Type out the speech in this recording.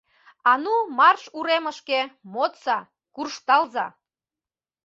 А ну, марш, уремышке, модса, куржталза!